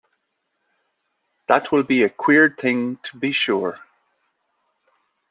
That will be a queer thing, to be sure!